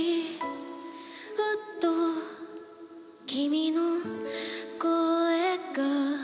「ふと君の声が」